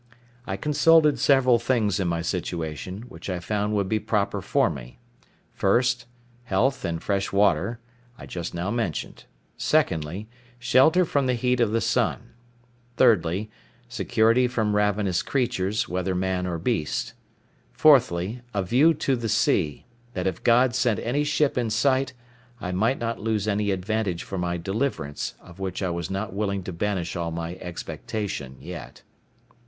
I consulted several things in my situation, which I found would be proper for me: 1st, health and fresh water, I just now mentioned; 2ndly, shelter from the heat of the sun; 3rdly, security from ravenous creatures, whether man or beast; 4thly, a view to the sea, that if God sent any ship in sight, I might not lose any advantage for my deliverance, of which I was not willing to banish all my expectation yet.